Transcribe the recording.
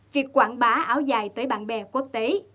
việc quảng bá áo dài tới bạn bè quốc tế